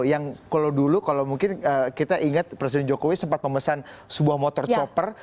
yang kalau dulu kalau mungkin kita ingat presiden jokowi sempat memesan sebuah motor chopper